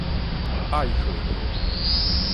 愛河